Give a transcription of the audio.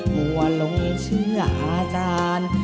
มัวหลงเชื่ออาจารย์